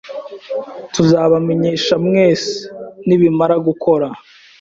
Tuzabamenyesha mwese nibimara gukora.